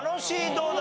どうだ？